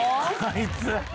あいつ。